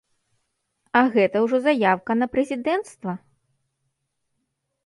А гэта ўжо заяўка на прэзідэнцтва!